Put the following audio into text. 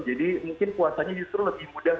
jadi mungkin puasanya justru lebih mudah